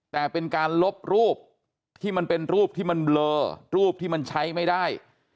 แต่เป็นการลบรูปที่มันเป็นรูปที่มันเบลอรูปที่มันใช้ไม่ได้